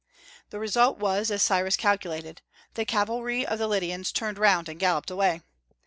The result was as Cyrus calculated; the cavalry of the Lydians turned round and galloped away.